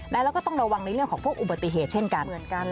แล้วก็ต้องระวังในเรื่องของพวกอุบัติเหตุเช่นกัน